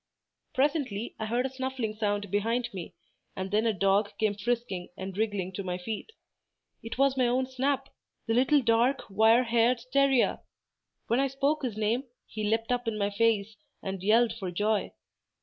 Presently, I heard a snuffling sound behind me and then a dog came frisking and wriggling to my feet. It was my own Snap—the little dark, wire haired terrier! When I spoke his name, he leapt up in my face and yelled for joy.